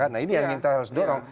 nah ini yang kita harus dorong